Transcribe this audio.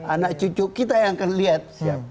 anak cucu kita yang akan lihat